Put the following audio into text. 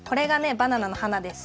バナナの花です。